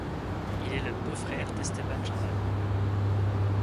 Il est le beau-frère d'Esteban Jordán.